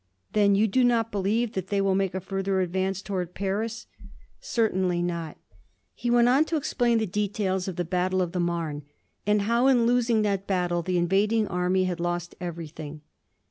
"Then you do not believe that they will make a further advance toward Paris?" "Certainly not." He went on to explain the details of the battle of the Marne, and how in losing that battle the invading army had lost everything.